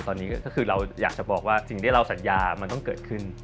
ตอนนี้ก็คือเราอยากจะบอกว่าสิ่งที่เราสัญญามันต้องเกิดขึ้น